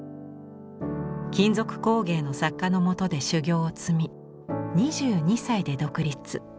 金属工芸の作家のもとで修業を積み２２歳で独立。